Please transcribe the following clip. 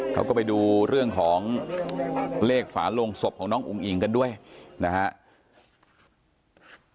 เขาก็ไปดูเรื่องของเลขฝาโลงศพของน้องอุ๋งอิ๋งกันด้วยนะครับ